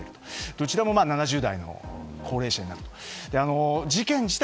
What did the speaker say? どちらも７０代の高齢者と。